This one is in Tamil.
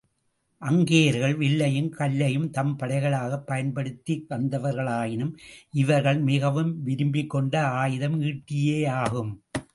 அக்கேயர்கள் வில்லையும் கல்லையும் தம் படைகளாகப் பயன்படுத்தி வந்தவர்களாயினும், இவர்கள் மிகவும் விரும்பிக் கொண்ட ஆயுதம் ஈட்டியாகும்.